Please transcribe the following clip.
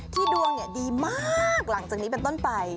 ดวงดีมากหลังจากนี้เป็นต้นไป